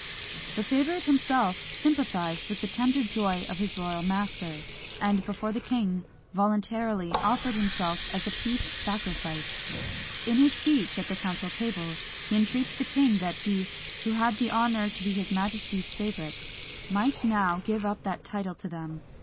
The favourite himself sympathised with the tender joy of his royal master; and, before the king, voluntarily offered himself as a peace sacrifice. In his speech at the council table, he entreats the king that he, who had the honour to be his majesty's favourite, might now give up that title to them.